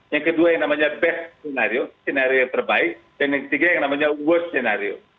yang kedua yang namanya best senario senario yang terbaik dan yang ketiga yang namanya worst senario